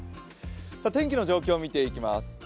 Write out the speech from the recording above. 天気の状況を見ていきます。